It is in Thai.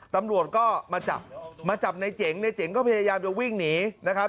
ตำรวจก็มาจับมาจับในเจ๋งในเจ๋งก็พยายามจะวิ่งหนีนะครับ